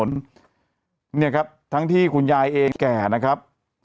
เนี่ยครับทั้งที่คุณยายเองแก่นะครับ